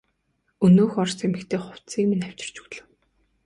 Өнөөх орос эмэгтэй хувцсыг минь авчирч өглөө.